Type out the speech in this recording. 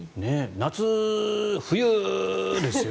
夏、冬ですよ。